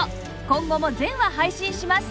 今後も全話配信します